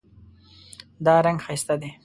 دا رنګ ښایسته ده